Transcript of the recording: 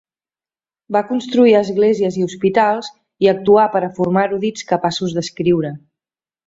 Va construir esglésies i hospitals i actuar per a formar erudits capaços d'escriure.